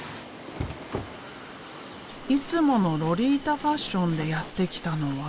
いつものロリータファッションでやって来たのは。